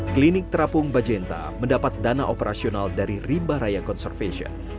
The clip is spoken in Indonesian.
klinik terapung bajenta mendapat dana operasional dari rimba raya conservation